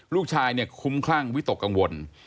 ลูกชายเนี่ยคุ้มคลั่งวิตกกังวล